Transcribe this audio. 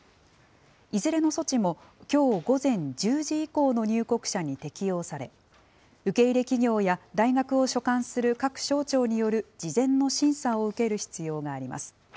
いずれの措置も、きょう午前１０時以降の入国者に適用され、受け入れ企業や大学を所管する各省庁による事前の審査を受ける必要があります。